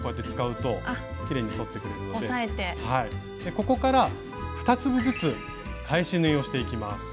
ここから２粒ずつ返し縫いをしていきます。